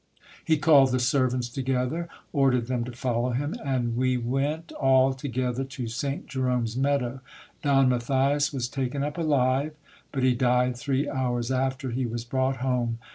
He called the servants together, ordered them to follow him, and we went all together to Saint Jerome's meadow. Don Matthias was taken up alive, but he died three hours after he was brought home.